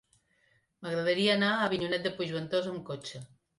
M'agradaria anar a Avinyonet de Puigventós amb cotxe.